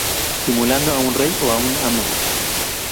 Simulando a un rey o un "amo".